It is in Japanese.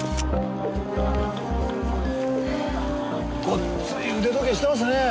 ごっつい腕時計してますねぇ。